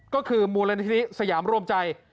ก็คือมูลนิธิสยามรวมใจ